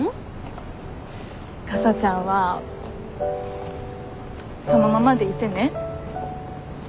かさちゃんはそのままでいてね。